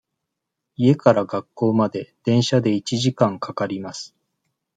家から学校まで電車で一時間かかります。